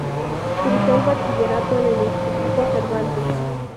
Cursó el bachillerato en el Instituto Cervantes.